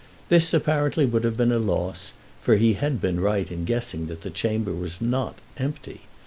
This apparently would have been a loss, for he had been right in guessing that the chamber was not empty.